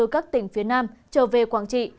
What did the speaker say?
các tỉnh phía nam trở về quảng trị